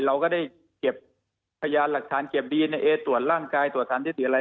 เราก็ได้เก็บพยานหลักฐานเก็บดีเอนเอตรวจร่างกายตรวจสารยุติอะไร